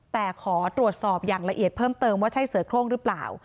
แต่ขอตรวจสอบอย่างละเอียดเพิ่มเติมว่าใช่เสือโครงหรือเปล่า